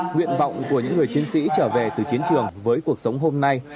nguyện vọng của những người chiến sĩ trở về từ chiến trường với cuộc sống hôm nay